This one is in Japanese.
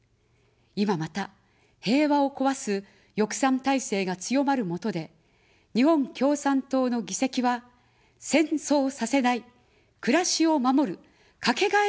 いままた、平和を壊す翼賛体制が強まるもとで、日本共産党の議席は、戦争させない、暮らしを守る、かけがえのない力です。